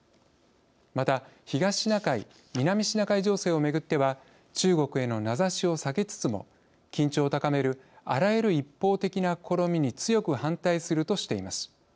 また、東シナ海・南シナ海情勢をめぐっては中国への名指しを避けつつも緊張を高めるあらゆる一方的な試みに強く反対するとしています。